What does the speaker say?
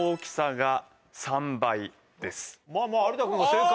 まぁまぁ有田君が正解。